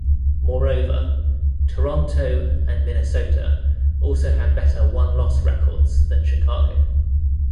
Moreover, Toronto and Minnesota also had better won-loss records than Chicago.